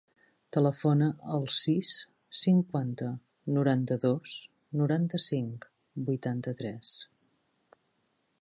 Telefona al sis, cinquanta, noranta-dos, noranta-cinc, vuitanta-tres.